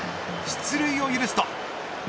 出塁を許すと。